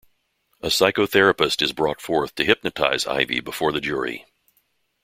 A psychotherapist is brought forth to hypnotize Ivy before the jury.